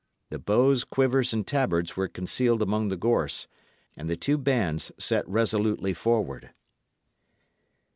The bows, quivers, and tabards were concealed among the gorse, and the two bands set resolutely forward.